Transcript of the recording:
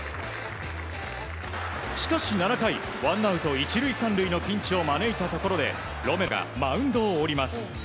しかし７回ワンアウト１塁３塁のピンチを招いたところでロメロがマウンドを降ります。